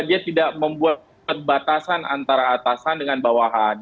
dia tidak membuat batasan antara atasan dengan bawahan